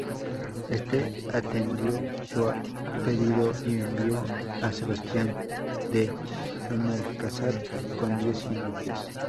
Este atendió su pedido y envió a Sebastián de Benalcázar con diez jinetes.